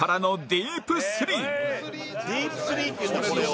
「ディープスリーっていうんだこれを」